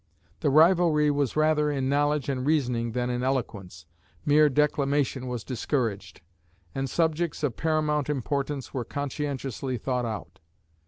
The rivalry was rather in knowledge and reasoning than in eloquence, mere declamation was discouraged; and subjects of paramount importance were conscientiously thought out."